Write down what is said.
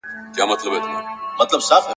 شپې مي په وعدو چي غولولې اوس یې نه لرم ,